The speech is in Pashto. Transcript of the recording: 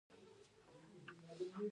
تودوخه د افغانستان د شنو سیمو ښکلا ده.